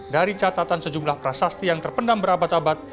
dari catatan sejumlah prasasti yang terpendam berabad abad